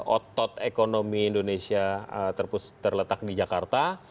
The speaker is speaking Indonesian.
otot ekonomi indonesia terletak di jakarta